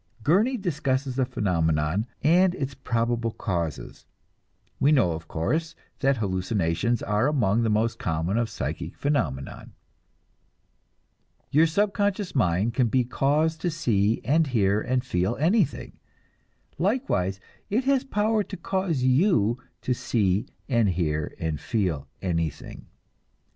Gurney discusses the phenomenon and its probable causes. We know, of course, that hallucinations are among the most common of psychic phenomenon. Your subconscious mind can be caused to see and hear and feel anything; likewise it has power to cause you to see and hear and feel anything.